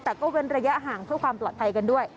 แต่ก็เว้นระยะห่างเพื่อความปลอดภัยกันด้วย